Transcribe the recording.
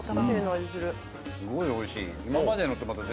すごいおいしい。